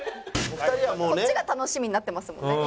こっちが楽しみになってますもんね。